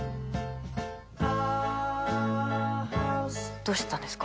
どうしたんですか？